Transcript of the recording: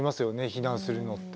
避難するのって。